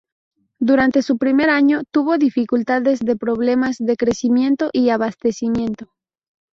Durante su primer año, tuvo dificultades de problemas de crecimiento y abastecimiento.